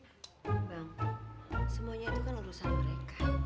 bang semuanya itu kan urusan mereka